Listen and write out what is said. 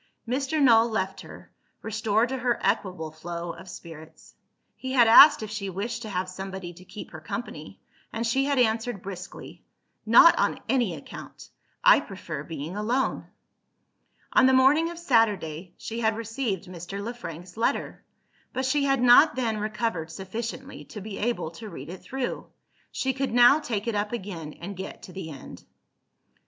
Mr. Null left her, restored to her equable flow of spirits. He had asked if she wished to have somebody to keep her company and she had answered briskly, "Not on any account! I prefer being alone." On the morning of Saturday, she had received Mr. Le Frank's letter; but she had not then recovered sufficiently to be able to read it through. She could now take it up again, and get to the end.